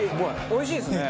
おいしいですね。